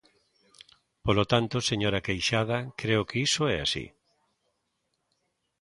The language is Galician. Polo tanto, señora Queixada, creo que iso é así.